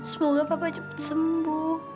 semoga papa cepat sembuh